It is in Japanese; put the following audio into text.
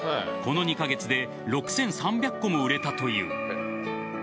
この２カ月で６３００個も売れたという。